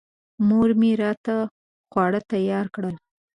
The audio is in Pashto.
مور مې راته خواړه تیار کړل.